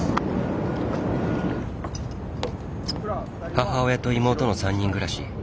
母親と妹の３人暮らし。